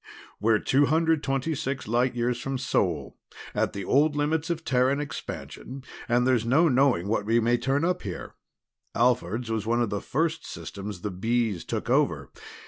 "We're two hundred twenty six light years from Sol, at the old limits of Terran expansion, and there's no knowing what we may turn up here. Alphard's was one of the first systems the Bees took over.